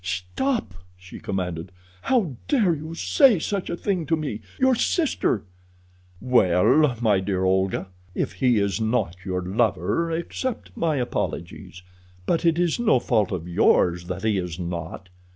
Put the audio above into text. "Stop!" she commanded. "How dare you say such a thing to me—your sister!" "Well, my dear Olga, if he is not your lover, accept my apologies; but it is no fault of yours that he is not.